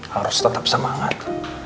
harus tetap semangat